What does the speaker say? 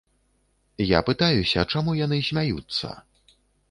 Я пытаюся, чаму яны смяюцца.